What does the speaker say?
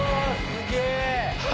すげえ！